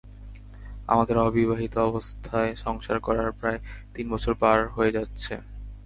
আমাদের অবিবাহিত অবস্থায় সংসার করার প্রায় তিন বছর পার হয়ে যাচ্ছে।